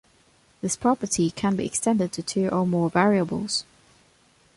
This property can be extended to two or more variables.